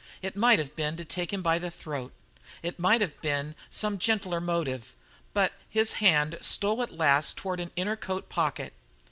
It might have been to take him by the throat; it might have been some gentler motive, but his hand stole at last toward an inner coat pocket.